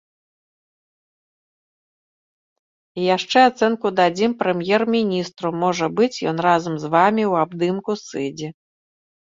І яшчэ ацэнку дадзім прэм'ер-міністру, можа быць, ён разам з вамі ў абдымку сыдзе.